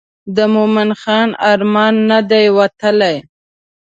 د مومن خان ارمان نه دی وتلی.